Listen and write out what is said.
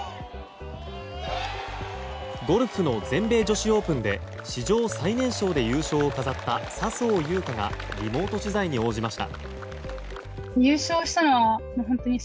ゴルフの全米女子オープンで史上最年少で優勝を飾った笹生優花がリモート取材に応じました。